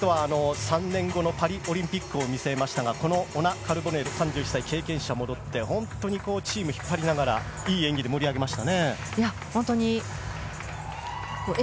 デュエットは３年後のパリオリンピックを見据えましたが、このオナ・カルボネル経験者が戻って、チームを引っ張りながらいい演技で盛り上げました。